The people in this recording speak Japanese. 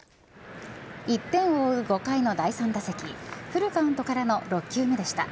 １点を追う５回の第３打席、フルカウントからの６球目でした。